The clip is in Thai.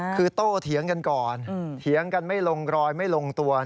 คือโต้เถียงกันก่อนเถียงกันไม่ลงรอยไม่ลงตัว